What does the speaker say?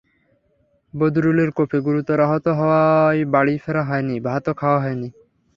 বদরুলের কোপে গুরুতর আহত হওয়ায় বাড়ি ফেরা হয়নি, ভাতও খাওয়া হয়নি।